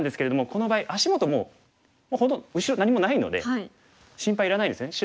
この場合足元もう後ろ何もないので心配いらないですよね。